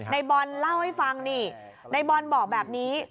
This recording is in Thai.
ในบอลเล่าให้ฟังนี่ในบอลบอกแบบนี้